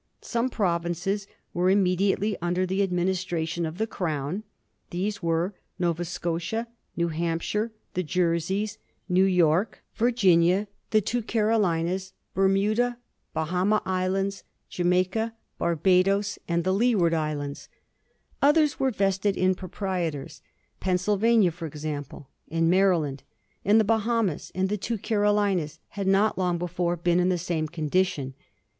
Some provinces were immedi ately under the administration of the Crown : these were Nova Scotia, New Hampshire, the Jerseys, New Digiti zed by Google 1732 TflE AAIERICAN COLONIES. 407 York, Virginia, the two Carolinas, Bermuda, Bahama Islands, Jamaica, Barbadoes, and the Leeward Islands. Others were vested in proprietors — Pennsylvania, for example, and Maryland — and the Bahamas and the two Carolinas had not long before been in the same condition.